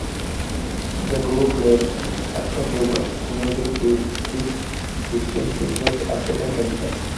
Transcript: The group played an Afro-Cuban music fused with distinctly West African traditions.